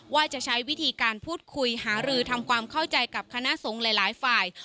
ว่าจะใช้วิธีการพูดคุยหารือทำความเข้าใจกับคณะสงฆ์หลายฝ่าย